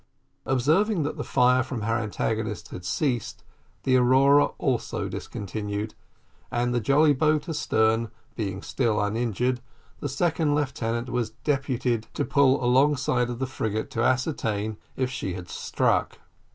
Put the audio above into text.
Observing that the fire from her antagonist had ceased, the Aurora also discontinued, and the jolly boat astern being still uninjured, the second lieutenant was deputed to pull alongside of the frigate to ascertain if she had struck.